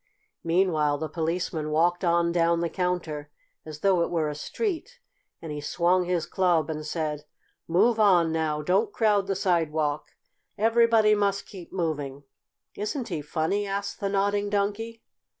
Meanwhile the Policeman walked on down the counter, as though it were a street, and he swung his club and said: "Move on now! Don't crowd the sidewalk! Everybody must keep moving!" "Isn't he funny?" asked the Nodding Donkey.